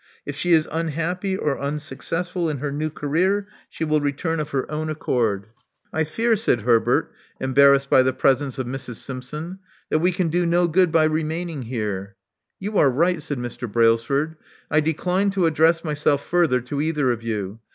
If she is unhappy or unsuccessful in her new career, she will return of her own accord." 142 Love Among the Artists I fear," said Herbert, embarrassed by the presence of Mrs. Simpson, that we can do no good by remain ing here. You are right," said Mr. Brailsford. I decline to address myself further to either of you.